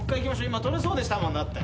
今取れそうでしたもんだって。